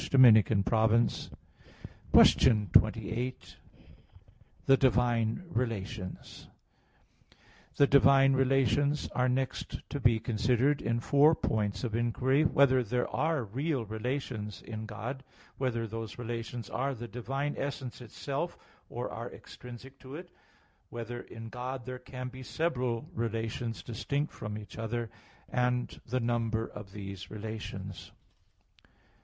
_______________________ QUESTION 28 THE DIVINE RELATIONS (In Four Articles) The divine relations are next to be considered, in four points of inquiry: (1) Whether there are real relations in God? (2) Whether those relations are the divine essence itself, or are extrinsic to it? (3) Whether in God there can be several relations distinct from each other? (4) The number of these relations.